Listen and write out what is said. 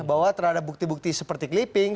bahwa terhadap bukti bukti seperti clipping